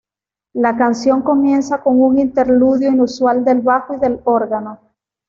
La canción comienza con un interludio inusual del bajo y del órgano.